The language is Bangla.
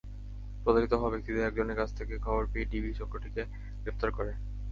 প্রতারিত হওয়া ব্যক্তিদের একজনের কাছ থেকে খবর পেয়েই ডিবি চক্রটিকে গ্রেপ্তার করে।